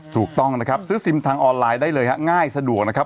ถูกต้องนะครับซื้อซิมทางออนไลน์ได้เลยฮะง่ายสะดวกนะครับ